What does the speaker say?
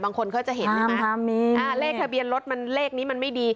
บางคนเขาจะเห็นทำทำนี้อ่าเลขทะเบียนรถมันเลขนี้มันไม่ดี